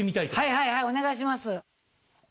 はいお願いします。